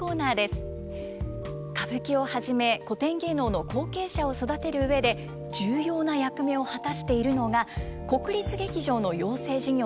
歌舞伎をはじめ古典芸能の後継者を育てる上で重要な役目を果たしているのが国立劇場の養成事業です。